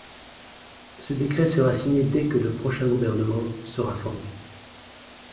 Ce décret sera signé dès que le prochain gouvernement sera formé.